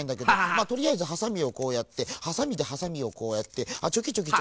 まあとりあえずはさみをこうやってはさみでハサミをこうやってあっチョキチョキ。